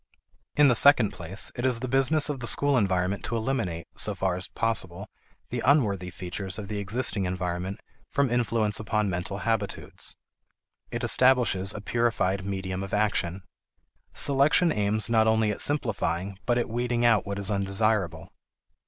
In the second place, it is the business of the school environment to eliminate, so far as possible, the unworthy features of the existing environment from influence upon mental habitudes. It establishes a purified medium of action. Selection aims not only at simplifying but at weeding out what is undesirable.